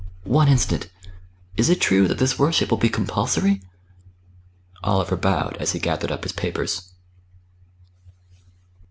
"One instant is it true that this worship will be compulsory?" Oliver bowed as he gathered up his papers.